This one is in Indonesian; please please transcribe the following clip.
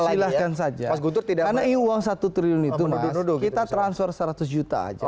silahkan saja karena ini uang satu triliun itu mas kita transfer seratus juta saja